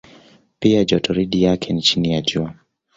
Pia jotoridi yake ni chini ya Jua.